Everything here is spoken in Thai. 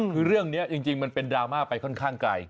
คือเรื่องนี้จริงมันเป็นดราม่าไปค่อนข้างไกล